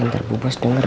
ntar bu bos denger